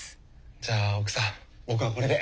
じゃあ奥さん僕はこれで。